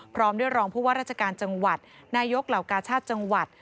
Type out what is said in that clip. พร้อมด้วยรองผู้ว่าราชการจังหวัดนายกเหล่ากาชาติจังหวัด